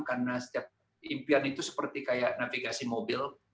karena setiap impian itu seperti kayak navigasi mobil